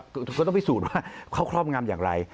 ก็ต้องพิสูจน์ว่าเขาครอบงำอย่างไร